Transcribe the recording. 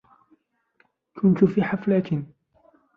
كنت في حفلة.